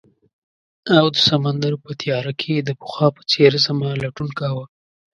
او د سمندر په تیاره کې یې د پخوا په څیر زما لټون کاؤه